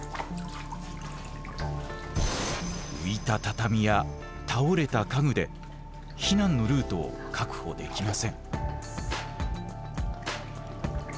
浮いた畳や倒れた家具で避難のルートを確保できません。